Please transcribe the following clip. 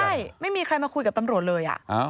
ใช่ไม่มีใครมาคุยกับตำรวจเลย